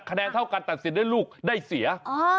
คะแนนเท่ากันตัดสินด้วยลูกได้เสีย